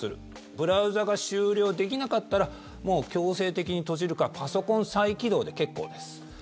ブラウザが終了できなかったらもう強制的に閉じるかパソコン再起動で結構です。